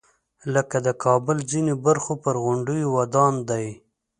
لکه د کابل ځینو برخو پر غونډیو ودان دی.